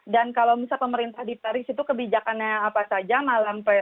dan kalau misal pemerintah di paris itu kebijakannya apa saja